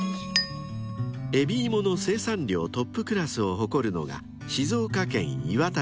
［海老芋の生産量トップクラスを誇るのが静岡県磐田市です］